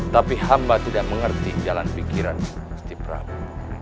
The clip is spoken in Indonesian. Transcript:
tapi hamba tidak mengerti jalan pikiran si prabu